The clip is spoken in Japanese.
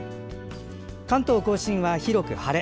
関東・甲信は広く晴れ。